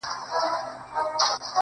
د وجود دا نيمايې برخه چي ستا ده~